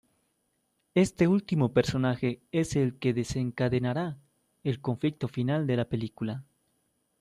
Este último personaje es el que desencadenará el conflicto final de la película.